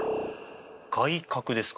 外角ですか。